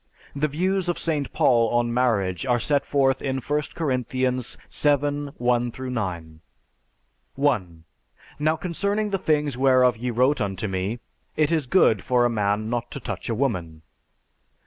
The views of St. Paul on marriage are set forth in I Corinthians VII 1 9: 1. Now concerning the things whereof ye wrote unto me: It is good for a man not to touch a woman.